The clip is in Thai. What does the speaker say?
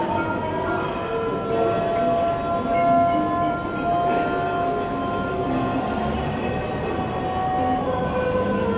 สวัสดีครับ